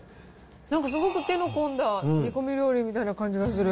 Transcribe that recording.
なんかすごく手の込んだ煮込み料理みたいな感じがする。